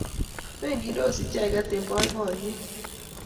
Meng'ndos icheket eng' poipoiyet